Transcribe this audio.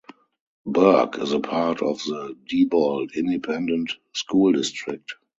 Burke is a part of the Diboll Independent School District.